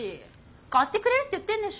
買ってくれるって言ってるんでしょ？